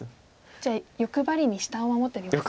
じゃあ欲張りに下を守ってみますか。